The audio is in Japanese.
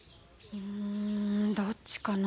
うんどっちかな？